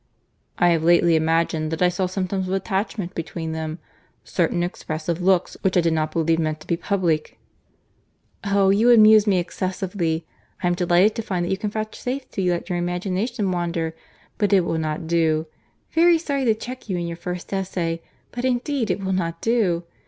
"I have lately imagined that I saw symptoms of attachment between them—certain expressive looks, which I did not believe meant to be public." "Oh! you amuse me excessively. I am delighted to find that you can vouchsafe to let your imagination wander—but it will not do—very sorry to check you in your first essay—but indeed it will not do.